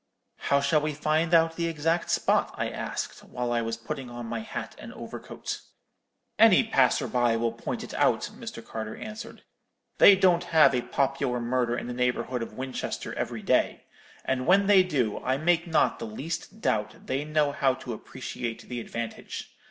"'How shall we find out the exact spot?' I asked, while I was putting on my hat and overcoat. "'Any passer by will point it out,' Mr. Carter answered; 'they don't have a popular murder in the neighbourhood of Winchester every day; and when they do, I make not the least doubt they know how to appreciate the advantage.